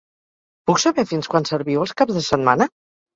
Puc saber fins quan serviu els caps de setmsna,?